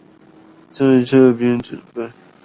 在這邊準備